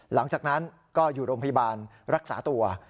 หลังจากนั้นก็อยู่โรงพยาบาลรักษาตัว